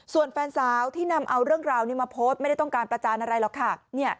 ส่วนแฟนสาวที่นำเอาเรื่องราวนี้มาโพสต์ไม่ได้ต้องการประจานอะไรหรอกค่ะ